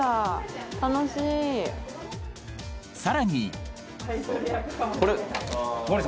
［さらに］